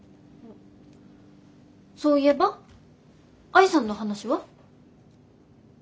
そういえば愛さんの話は？